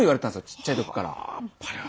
ちっちゃい時から。